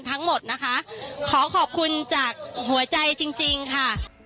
ทั้งหมดนะคะขอขอบคุณจากหัวใจจริงค่ะ